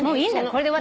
これで私。